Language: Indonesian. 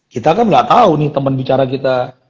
kita kan ga tau nih temen bicara kita